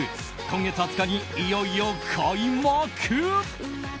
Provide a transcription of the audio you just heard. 今月２０日にいよいよ開幕！